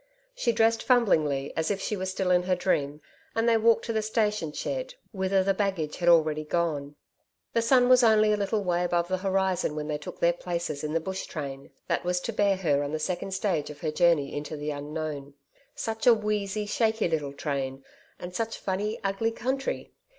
She dressed fumblingly as if she were still in her dream, and they walked to the station shed whither the baggage had already gone. The sun was only a little way above the horizon when they took their places in the bush train that was to bear her on the second stage of her journey into the Unknown. Such a wheezy, shaky little train, and such funny, ugly country!